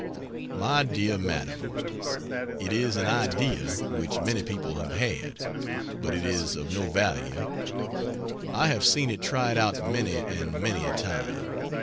MY DEAR MADAM, It is an idea which many people have had, but it is of no value. I have seen it tried out many and many a time.